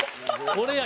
これや！